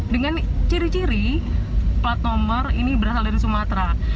dengan ciri ciri plat nomor ini berasal dari sumatera